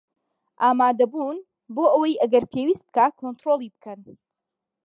ئامادەبوون بۆ ئەوەی ئەگەر پێویست بکات کۆنترۆڵی بکەن